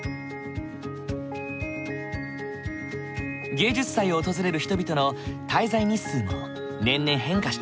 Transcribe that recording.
芸術祭を訪れる人々の滞在日数も年々変化している。